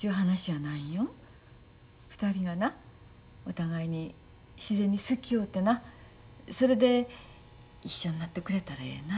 ２人がなお互いに自然に好き合うてなそれで一緒になってくれたらええなって。